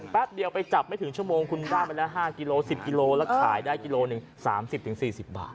เดียวไปจับไม่ถึงชั่วโมงคุณว่าไปแล้ว๕กิโล๑๐กิโลแล้วขายได้กิโลหนึ่ง๓๐๔๐บาท